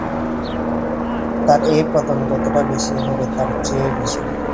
তার এই পতন যতটা বেশি হবে তার চেয়ে বেশি।